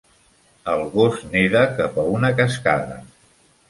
El gos neda cap a una cascada.